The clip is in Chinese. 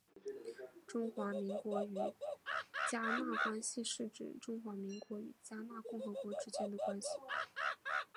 中华民国与迦纳关系是指中华民国与迦纳共和国之间的关系。